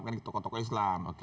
kan ke tokoh tokoh islam